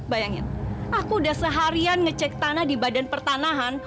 bayangin aku udah seharian ngecek tanah di badan pertanahan